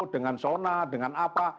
dengan sona dengan apa